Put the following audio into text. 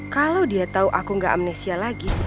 kalau dia tahu aku gak amnesia lagi